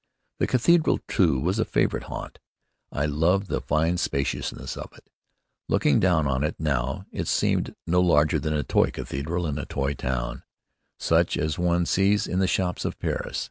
The cathedral too was a favorite haunt. I loved the fine spaciousness of it. Looking down on it now, it seemed no larger than a toy cathedral in a toy town, such as one sees in the shops of Paris.